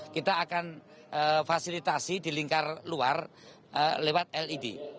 kita akan fasilitasi di lingkar luar lewat led